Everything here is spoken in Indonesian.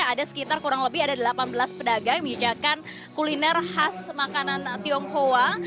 ada sekitar kurang lebih ada delapan belas pedagang yang menyediakan kuliner khas makanan tionghoa